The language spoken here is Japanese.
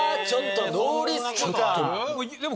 ノーリスクか。